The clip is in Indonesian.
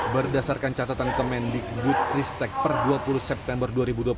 berdasarkan catatan kemendik good risk tech per dua puluh september dua ribu dua puluh satu